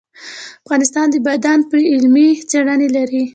افغانستان د بادام په اړه علمي څېړنې لري.